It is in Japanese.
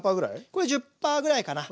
これ１０％ぐらいかな。